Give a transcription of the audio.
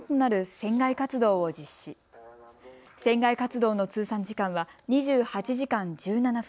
船外活動の通算時間は２８時間１７分。